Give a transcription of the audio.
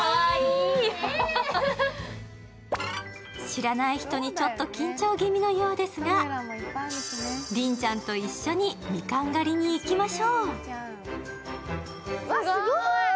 知らない人にちょっと緊張ぎみのようですが、凜ちゃんと一緒にみかん狩りに行きましょう。